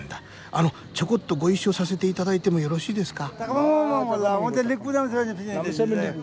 あのちょこっとご一緒させて頂いてもよろしいですか？